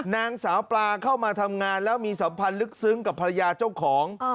นางสาวปลาเข้ามาทำงานแล้วมีสัมพันธ์ลึกซึ้งกับภรรยาเจ้าของ